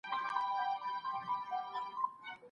کلتور پرمختګ کوي.